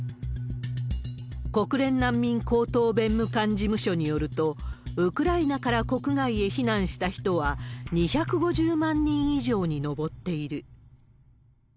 国連難民高等弁務官事務所によると、ウクライナから国外へ避難した人は、２５０万人以上に上っている。